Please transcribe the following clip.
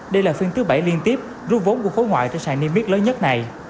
đây là phiên thứ bảy liên tiếp rút vốn của khối ngoại trên sàn nimitz lớn nhất này